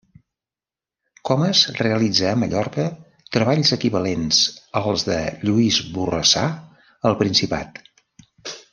Comes realitza a Mallorca treballs equivalents als de Lluís Borrassà al principat.